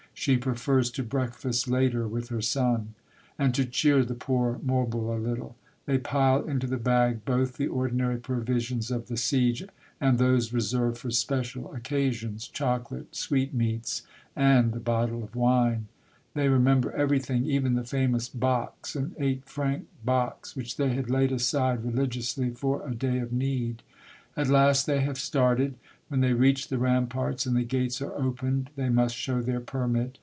She prefers to breakfast later with her son. And to cheer the poor mobile a httle, they pile into the bag both the ordinary provisions of the siege and those reserved for special occasions, chocolate, sweetmeats, and a bottle of wine ; they remember everything, even the famous box, an eight franc box, which they had laid aside religi ously for a day of need. At last they have started. When they reach the ramparts, and the gates are opened, they must show their permit.